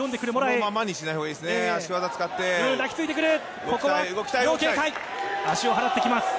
そのままにしないほうがいいですね。